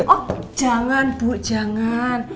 oh jangan bu jangan